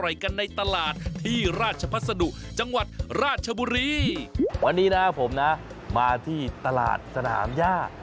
วันนี้นะครับผมนะมาที่ตลาดสนามย่า